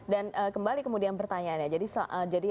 dan kembali kemudian pertanyaannya jadi